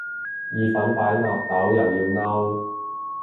意粉擺納豆又要嬲